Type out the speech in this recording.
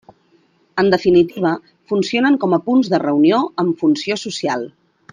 En definitiva, funcionen com a punts de reunió amb funció social.